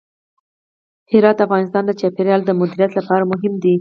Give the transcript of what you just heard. هرات د افغانستان د چاپیریال د مدیریت لپاره مهم دي.